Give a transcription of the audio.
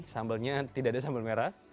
sambalnya tidak ada sambal merah